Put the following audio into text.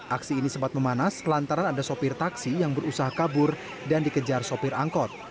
aksi ini sempat memanas lantaran ada sopir taksi yang berusaha kabur dan dikejar sopir angkot